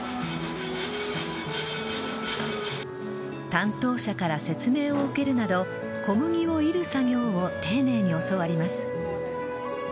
担当者から説明を受けるなど小麦をいる作業を丁寧に教わります。